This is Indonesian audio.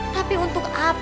tapi untuk apa